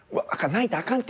泣いたらあかんて！